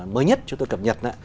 mới nhất chúng tôi cập nhật